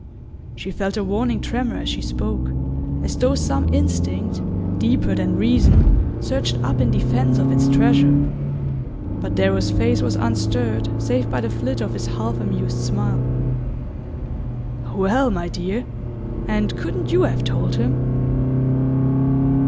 She felt a warning tremor as she spoke, as though some instinct deeper than reason surged up in defense of its treasure. But Darrow's face was unstirred save by the flit of his half amused smile. "Well, my dear and couldn't you have told him?"